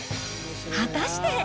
果たして。